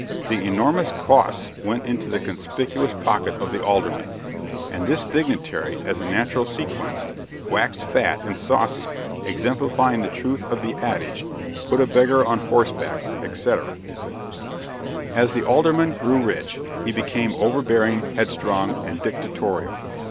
The enormous "costs" went into the capacious pocket of the Alderman; and this dignitary, as a natural sequence, "waxed fat" and saucy, exemplifying the truth of the adage "Put a beggar on horseback," etc. As the Alderman grew rich, he became overbearing, headstrong, and dictatorial.